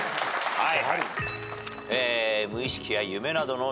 はい。